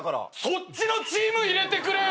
そっちのチーム入れてくれよ。